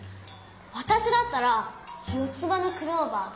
わたしだったら四つ葉のクローバー。